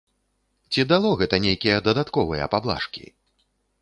Ці дало гэта нейкія дадатковыя паблажкі?